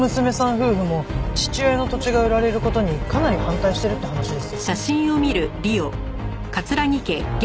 夫婦も父親の土地が売られる事にかなり反対してるって話ですよ。